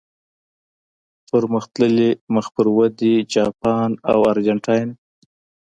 پرمختللي، مخ پر ودې، جاپان او ارجنټاین.